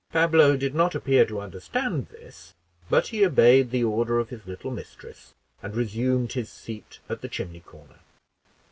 Pablo did not appear to understand this, but he obeyed the order of his little mistress, and resumed his seat at the chimney corner.